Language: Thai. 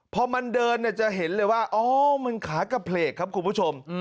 พอมันเดินจะเห็นเลยว่าอ๋อมันขากระเพลกครับคุณผู้ชม